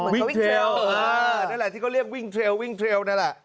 อ๋อวิ่งเทรลนะแหละที่เรียกวิ่งเทรลวิ่งเทรลนั่นแหละ